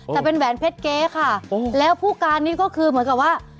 แต่เป็นแหวนเพชรเก๊ค่ะแล้วผู้การนี้ก็คือเหมือนกับว่า